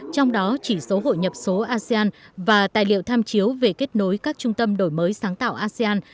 trong đó chỉ số hội nhập số asean và tài liệu tham chiếu về kết nối các trung tâm đổi mới sáng tạo asean